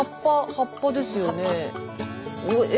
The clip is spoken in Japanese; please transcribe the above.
葉っぱですよねえ。